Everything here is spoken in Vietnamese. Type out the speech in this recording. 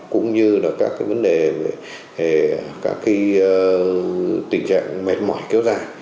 cũng như là các cái vấn đề về các cái tình trạng mệt mỏi kéo dài